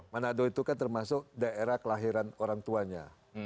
manado itu kan termasuk daerah kelahiran orang tuanya